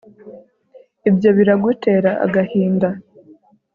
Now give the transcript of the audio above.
Ibyo biragutera agahinda